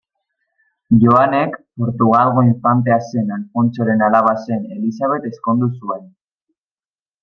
Joanek Portugalgo infantea zen Alfontsoren alaba zen Elisabet ezkondu zuen.